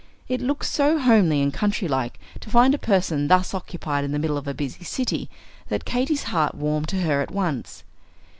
It looked so homely and country like to find a person thus occupied in the middle of a busy city, that Katy's heart warmed to her at once.